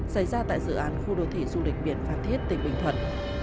xảy ra tại dự án khu đô thị du lịch biển phan thiết tỉnh bình thuận